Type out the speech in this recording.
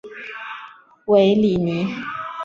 韦里尼。